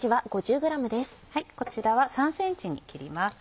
こちらは３ｃｍに切ります。